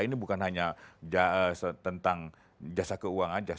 ini bukan hanya tentang jasa keuangan saja